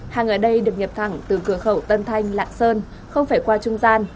hàng ở đây được nhập thẳng từ cửa khẩu tân thanh lạng sơn không phải qua trung gian